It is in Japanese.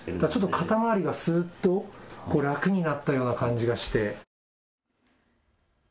肩周りがすーっと楽になったような感じがして。